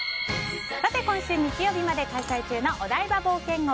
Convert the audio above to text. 今週、日曜日まで開催中のお台場冒険王。